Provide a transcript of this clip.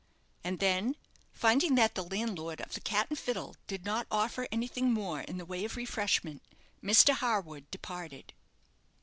And then, finding that the landlord of the "Cat and Fiddle" did not offer anything more in the way of refreshment, Mr. Harwood departed.